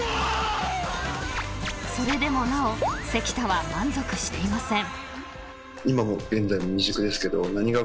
［それでもなお関田は満足していません］